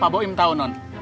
pak poim tau non